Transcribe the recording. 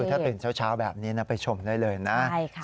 ถ้าตื่นเช้าแบบนี้ไปชมได้เลยนะ